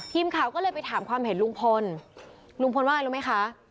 ทีมข่าวก็เลยไปถามความเห็นลุงพลลุงพลว่าไงรู้ไหมคะ